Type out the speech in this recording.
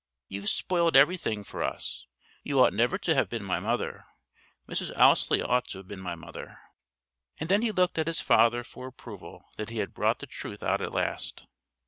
"You've spoiled everything for us. You ought never to have been my mother. Mrs. Ousley ought to have been my mother." And then he looked at his father for approval that he had brought the truth out at last.